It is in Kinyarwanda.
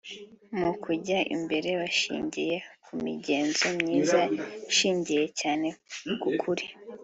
mu kujya imbere bashingiye ku migenzo myiza ishingiye cyane ku kuri